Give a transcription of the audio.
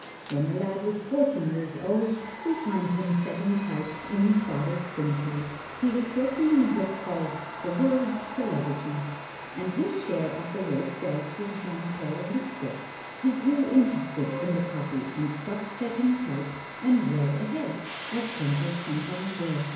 When the lad was fourteen years old, we find him setting type in his father's printery. He was working on a book called, "The World's Celebrities," and his share of the work dealt with Jean Paul Richter. He grew interested in the copy and stopped setting type and read ahead, as printers sometimes will.